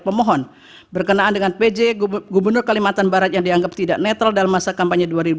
pemohon berkenaan dengan pj gubernur kalimantan barat yang dianggap tidak netral dalam masa kampanye dua ribu dua puluh